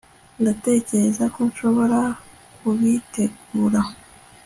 ndatekereza ko nshobora kubitegura